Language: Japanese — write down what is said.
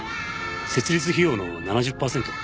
設立費用の７０パーセントを。